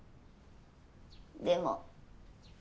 でも。